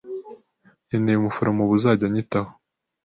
Nkeneye umuforomo ubu uzajya anyitaho.